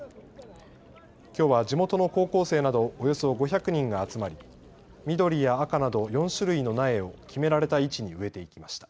きょうは地元の高校生などおよそ５００人が集まり緑や赤など４種類の苗を決められた位置に植えていきました。